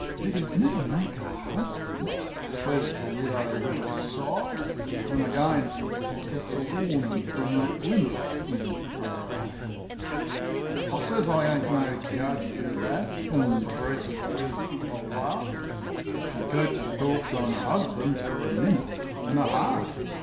"But he'd never make a husband !" says the widow, with a sigh, An' again I gets a warnin' from that glimmer in her eye. RED ROBIN 67 I says I ain't no judge of that; an' treats it with a laugh. But she keeps the talk on husbands for a minute an' a half.